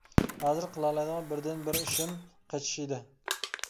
ھازىر قىلالايدىغان بىردىن بىر ئىشىم قىچىش ئىدى.